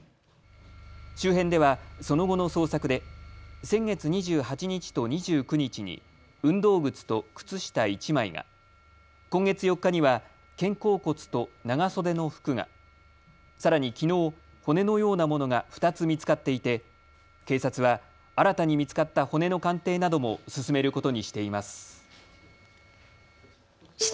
周辺ではその後の捜索で先月２８日と２９日に運動靴と靴下１枚が、今月４日には肩甲骨と長袖の服が、さらにきのう骨のようなものが２つ見つかっていて警察は新たに見つかった骨の鑑定なども進めることにしています。